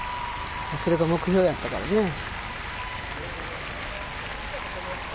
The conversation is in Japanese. それが目標だったからね。